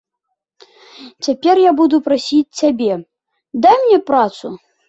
Цяпер буду прасіць цябе, дай мне працу.